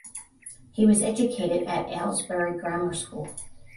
He was educated at Aylesbury Grammar School.